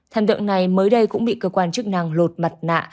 thần tượng này mới đây cũng bị cơ quan chức năng lột mặt nạ